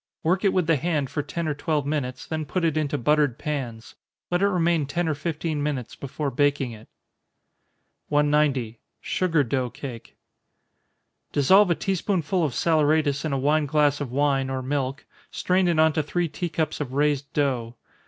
Work it with the hand for ten or twelve minutes, then put it into buttered pans. Let it remain ten or fifteen minutes before baking it. 190. Sugar Dough Cake. Dissolve a tea spoonful of saleratus in a wine glass of wine, or milk strain it on to three tea cups of raised dough.